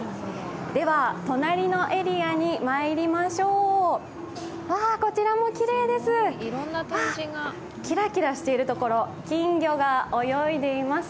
では、隣のエリアにまいりましょうこちらもきれいです、キラキラしているところ、金魚が泳いでいます。